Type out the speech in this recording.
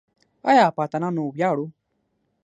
آیا په اتلانو ویاړو؟